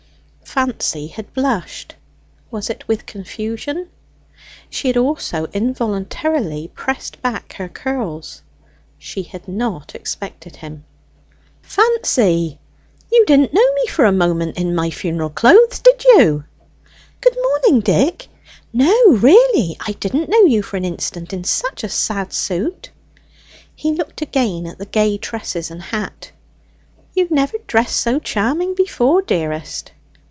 Fancy had blushed; was it with confusion? She had also involuntarily pressed back her curls. She had not expected him. "Fancy, you didn't know me for a moment in my funeral clothes, did you?" "Good morning, Dick no, really, I didn't know you for an instant in such a sad suit." He looked again at the gay tresses and hat. "You've never dressed so charming before, dearest."